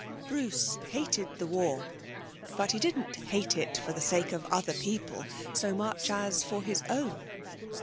Bruce hated the war; but he didn't hate it for the sake of other people so much as for his own.